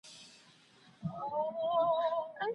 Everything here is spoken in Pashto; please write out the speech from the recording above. غچ اخیستل د انسان شعور او فکر له منځه وړي.